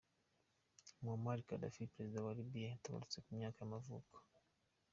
Muammar Gaddafi, Perezida wa Libya yaratabarutse ku myaka y’amavuko.